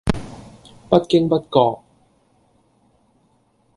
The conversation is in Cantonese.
不經不覺